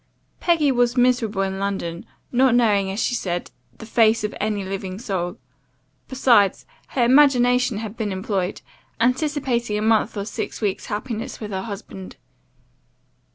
"Peggy was miserable in London, not knowing, as she said, 'the face of any living soul.' Besides, her imagination had been employed, anticipating a month or six weeks' happiness with her husband.